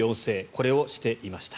これをしていました。